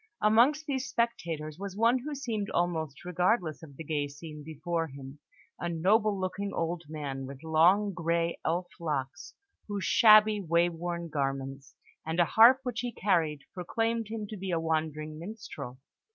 Amongst these spectators was one who seemed almost regardless of the gay scene before him: a noble looking old man with long grey elf locks, whose shabby, way worn garments, and a harp which he carried, proclaimed him to be a wandering minstrel.